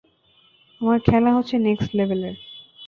আমার খেলা হচ্ছে নেক্সট লেভেলের।